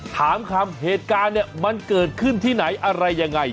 ถามคำเหตุการณ์เนี่ยมันเกิดขึ้นที่ไหนอะไรยังไง